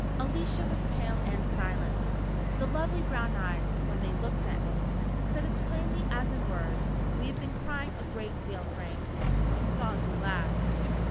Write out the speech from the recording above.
Alicia was pale and silent. The lovely brown eyes, when they looked at me, said as plainly as in words, "We have been crying a great deal, Frank, since we saw you last."